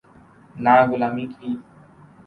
نہ غلامی کی۔